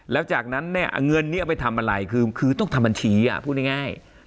แล้วจากนั้นเนี่ยเงินนี้เอาไปทำอะไรคือต้องทำบัญชีพูดง่าย